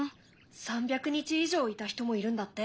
３００日以上いた人もいるんだって。